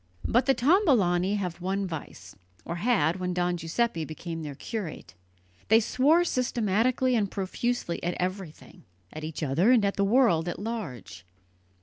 But the Tombolani have one vice or had when Don Giuseppe became; their curate. They swore systematically and profusely at everything, at each other, and at the world at large.